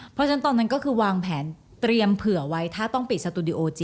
เพราะฉะนั้นตอนนั้นก็คือวางแผนเตรียมเผื่อไว้ถ้าต้องปิดสตูดิโอจริง